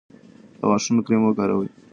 د غاښونو کریم وکاروئ.